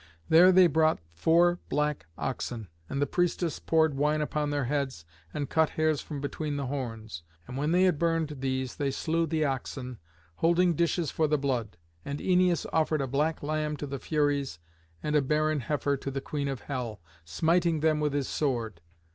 There they brought four black oxen, and the priestess poured wine upon their heads and cut hairs from between the horns. And when they had burned these they slew the oxen, holding dishes for the blood. And Æneas offered a black lamb to the Furies and a barren heifer to the Queen of hell, smiting them with his sword.